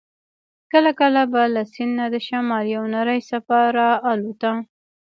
کله کله به له سیند نه د شمال یوه نرۍ څپه را الوته.